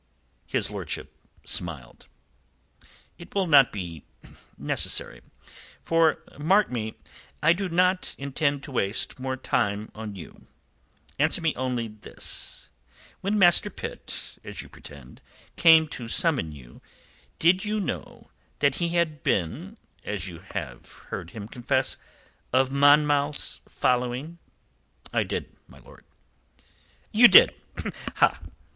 His lordship smiled. "It will not be necessary. For, mark me, I do not intend to waste more time on you. Answer me only this: When Master Pitt, as you pretend, came to summon you, did you know that he had been, as you have heard him confess, of Monmouth's following?" "I did, My lord." "You did! Ha!"